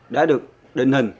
đã được định hình